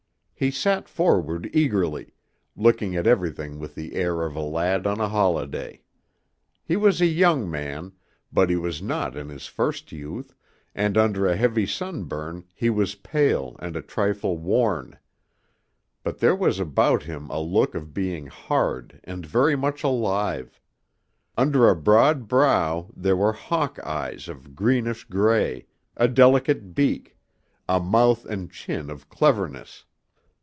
He sat forward eagerly, looking at everything with the air of a lad on a holiday. He was a young man, but he was not in his first youth, and under a heavy sunburn he was pale and a trifle worn, but there was about him a look of being hard and very much alive. Under a broad brow there were hawk eyes of greenish gray, a delicate beak, a mouth and chin of cleverness.